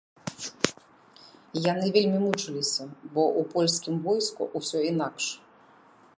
Яны вельмі мучыліся, бо ў польскім войску усё інакш.